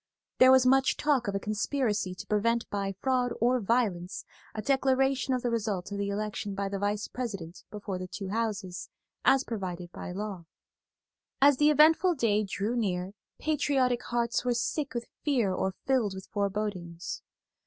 There was much talk of a conspiracy to prevent by fraud or violence a declaration of the result of the election by the Vice President before the two Houses, as provided by law. As the eventful day drew near patriotic hearts were sick with fear or filled with forebodings.